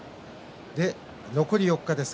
残り４日です。